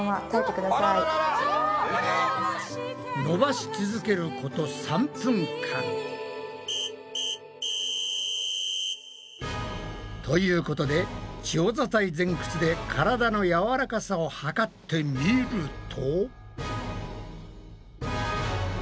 のばし続けること３分間。ということで長座体前屈でからだのやわらかさを測ってみると。